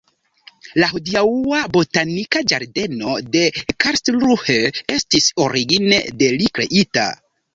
La hodiaŭa botanika ĝardeno de Karlsruhe estis origine de li kreita.